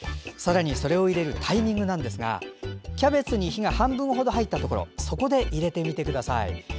さらにそれを入れるタイミングはキャベツに火が半分ほど入ったところそこで入れてみてください。